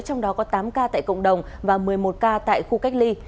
trong đó có tám ca tại cộng đồng và một mươi một ca tại khu cách ly